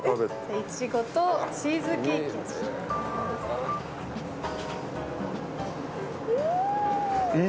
イチゴとチーズケーキ味。